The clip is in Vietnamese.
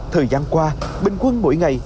thời gian qua bình quân mỗi ngày